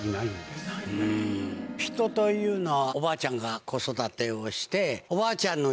ヒトというのは。